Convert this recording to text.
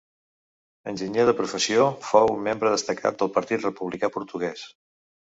Enginyer de professió, fou un membre destacat del Partit Republicà Portuguès.